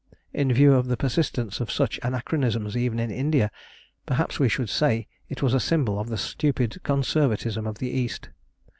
In view of the persistence of such anachronisms even in India, perhaps we should say it was a symbol of the stupid conservatism of the East.